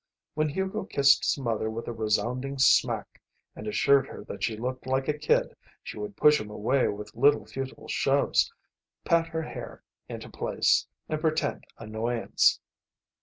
When Hugo kissed his mother with a resounding smack and assured her that she looked like a kid she would push him away with little futile shoves, pat her hair into place, and pretend annoyance.